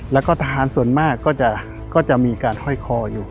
แล้วก็ทหารส่วนมากก็จะมีการห้อยคออยู่